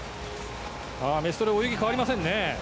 メストレ、泳ぎ変わりませんね。